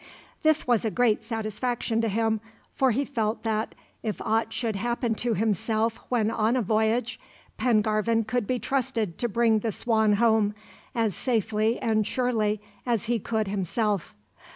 This was a great satisfaction to him, for he felt that, if aught should happen to himself when on a voyage, Pengarvan could be trusted to bring the Swan home, as safely and surely as he could himself.